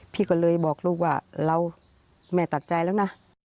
พี่ก็เลยบอกลูกว่าเราแม่ตัดใจแล้วนะ